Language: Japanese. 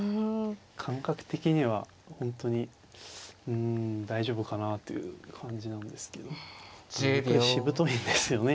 感覚的には本当に大丈夫かなという感じなんですけどただやっぱりしぶといんですよね